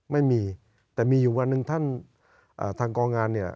ไม่มีแต่มีอยู่วันหนึ่งท่านทางกองงานเนี่ย